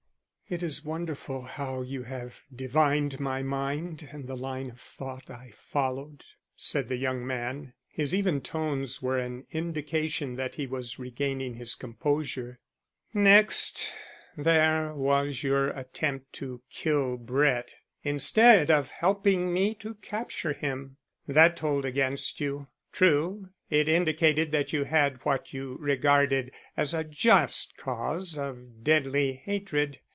"It is wonderful how you have divined my mind and the line of thought I followed," said the young man. His even tones were an indication that he was regaining his composure. "Next, there was your attempt to kill Brett instead of helping me to capture him. That told against you. True, it indicated that you had what you regarded as a just cause of deadly hatred.